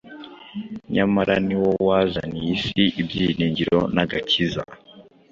nyamara ni wo wazaniye isi ibyiringiro n’agakiza.